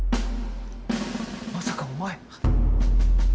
まさかお前。